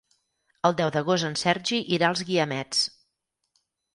El deu d'agost en Sergi irà als Guiamets.